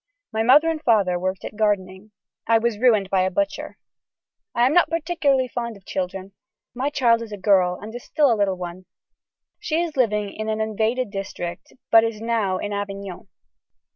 My mother and father worked at gardening. I was ruined by a butcher. I am not particularly fond of children. My child is a girl and is still a little one. She is living in an invaded district but is now in Avignon.